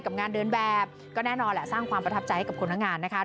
งานเดินแบบก็แน่นอนแหละสร้างความประทับใจให้กับคนทั้งงานนะคะ